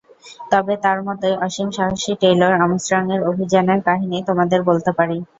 তবে তার মতোই অসীম সাহসী টেইলর আর্মস্ট্রংয়ের অভিযানের কাহিনি তোমাদের বলতে পারি।